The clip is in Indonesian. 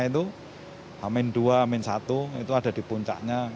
itu amin dua amin satu itu ada di puncaknya